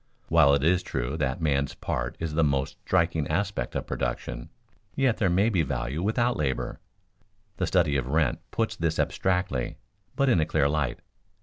While it is true that man's part is the most striking aspect of production, yet there may be value without labor. The study of rent puts this abstractly, but in a clear light.